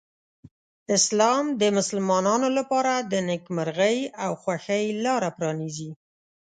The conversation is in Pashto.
اسلام د مسلمانانو لپاره د نېکمرغۍ او خوښۍ لاره پرانیزي.